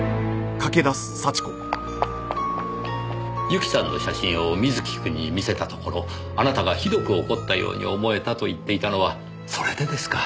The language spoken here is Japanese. ユキさんの写真を瑞貴くんに見せたところあなたがひどく怒ったように思えたと言っていたのはそれでですか。